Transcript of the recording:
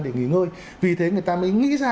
để nghỉ ngơi vì thế người ta mới nghĩ ra